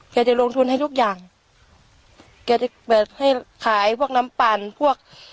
จะลงทุนให้ทุกอย่างแกจะแบบให้ขายพวกน้ำปั่นพวก